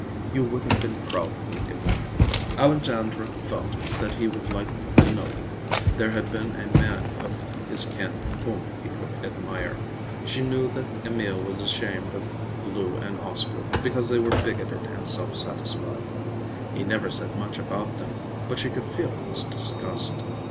You would have been proud of him, Emil." Alexandra felt that he would like to know there had been a man of his kin whom he could admire. She knew that Emil was ashamed of Lou and Oscar, because they were bigoted and self satisfied. He never said much about them, but she could feel his disgust.